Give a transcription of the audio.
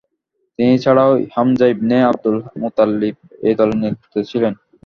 তিনি ছাড়াও Hamza ibn Abdul Muttalib এই দলের নেতৃত্বে ছিলেন।